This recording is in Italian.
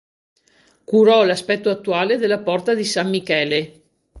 Curò l'aspetto attuale della Porta di San Michele.